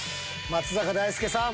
松坂大輔さん